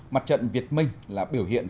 mặt trận việt minh là biểu hiện